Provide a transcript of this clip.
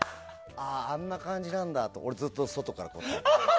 ああ、あんな感じなんだってずっと俺、外から。